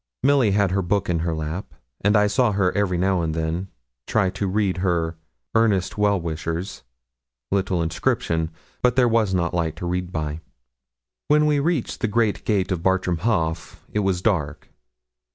Milly had her book in her lap, and I saw her every now and then try to read her 'earnest well wisher's' little inscription, but there was not light to read by. When we reached the great gate of Bartram Haugh it was dark.